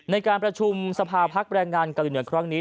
ในการประชุมสภาพักฯแปลงงานกาลิเนื้อครั้งนี้